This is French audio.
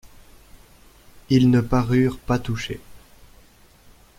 Ils ne parurent pas touchés.